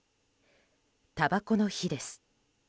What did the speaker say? たばこの火です。